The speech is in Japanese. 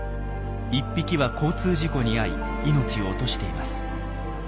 １匹は交通事故に遭い命を落としています。